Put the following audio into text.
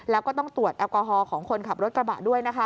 แล้วก็ต้องตรวจแอลกอฮอลของคนขับรถกระบะด้วยนะคะ